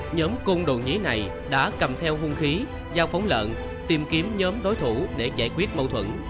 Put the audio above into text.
nhóm cung đồ nhí này đã cầm theo hung khí giao phóng lợn tìm kiếm nhóm đối thủ để giải quyết mâu thuẫn